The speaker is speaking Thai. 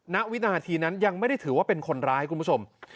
ณวินาทีนั้นยังไม่ได้ถือว่าเป็นคนร้ายคุณผู้ชม